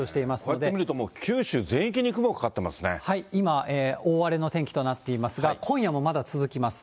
こうやって見ると、今、大荒れの天気となっていますが、今夜もまだ続きます。